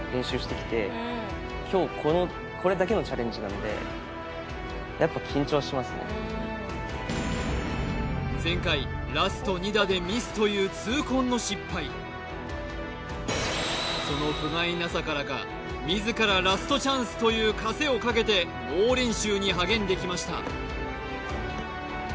このこれだけのチャレンジなのでやっぱ前回ラスト２打でミスという痛恨の失敗その不甲斐なさからか自らラストチャンスというかせをかけて猛練習に励んできました